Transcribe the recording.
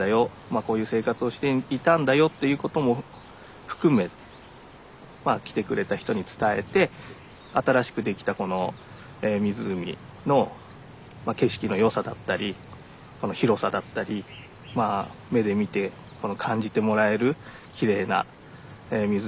まあこういう生活をしていたんだよっていうことも含めまあ来てくれた人に伝えて新しくできたこの湖の景色の良さだったりこの広さだったりまあ目で見てこの感じてもらえるきれいな湖。